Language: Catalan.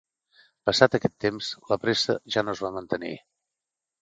Passat aquest temps, la presa ja no es va mantenir.